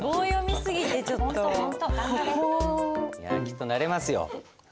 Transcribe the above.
きっとなれますよ。